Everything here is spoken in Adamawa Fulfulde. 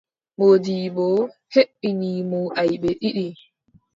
Moodibbo heɓini mo aybe ɗiɗi.